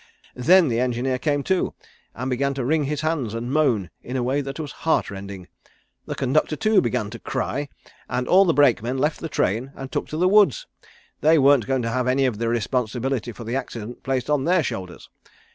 Then the engineer came to, and began to wring his hands and moan in a way that was heart rending. The conductor, too, began to cry, and all the brakemen left the train and took to the woods. They weren't going to have any of the responsibility for the accident placed on their shoulders.